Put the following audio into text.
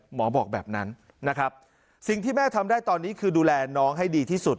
หมอบอกแบบนั้นนะครับสิ่งที่แม่ทำได้ตอนนี้คือดูแลน้องให้ดีที่สุด